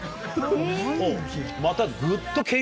またグッと。